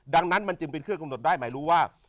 ดังนั้นมันจึงเป็นเครื่องกำหนดได้หมายรู้ว่า